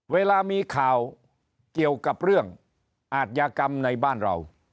เวลามีข่าวเกี่ยวกับเรื่องอาทยากรรมในบ้านเรา